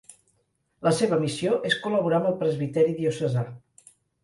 La seva missió és col·laborar amb el presbiteri diocesà.